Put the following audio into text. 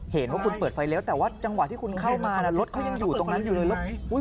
เห็นว่าคุณเปิดไฟเลี้ยวแต่การเข้ามารถเค้ายังอยู่ตรงนั้นใช่ไหม